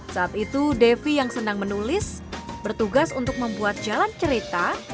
saat itu devi yang senang menulis bertugas untuk membuat jalan cerita